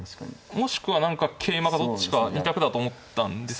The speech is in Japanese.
もしくは何か桂馬かどっちか２択だと思ったんですよ。